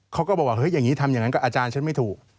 เขาก็บอกว่าเฮ้ยอย่างนี้ทำอย่างนั้นกับอาจารย์ฉันไม่ถูก